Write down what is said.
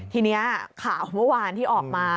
ทีนี้ข่าวเมื่อวานที่ออกมา